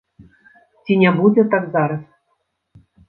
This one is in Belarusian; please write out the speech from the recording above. Ці не будзе так зараз?